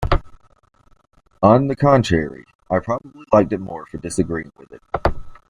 On the contrary, I probably liked it more for disagreeing with it.